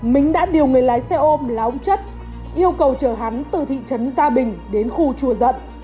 mình đã điều người lái xe ôm là ông chất yêu cầu chờ hắn từ thị trấn gia bình đến khu chùa dận